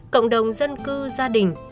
cộng đồng dân cư gia đình